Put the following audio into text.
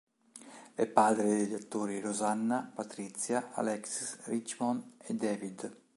È padre degli attori Rosanna, Patricia, Alexis, Richmond e David.